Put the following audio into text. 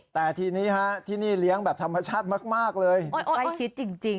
แต่ที่นี่ฮะที่นี่เลี้ยงแบบธรรมชาติมากมากเลยโอ้ยโอ้ยโอ้ยจริงจริง